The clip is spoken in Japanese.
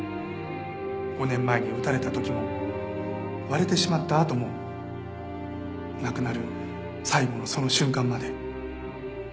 ５年前に撃たれた時も割れてしまったあとも亡くなる最期のその瞬間まで。